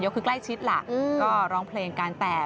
ไม่รู้สึกกันโท